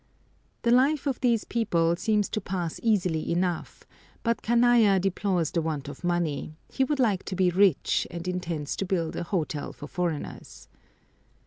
The life of these people seems to pass easily enough, but Kanaya deplores the want of money; he would like to be rich, and intends to build a hotel for foreigners.